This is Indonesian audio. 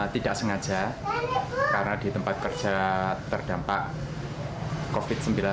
tidak sengaja karena di tempat kerja terdampak covid sembilan belas